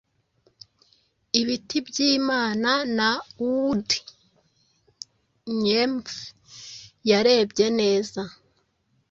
IbitiByimana na WoodNymph Yarebye neza,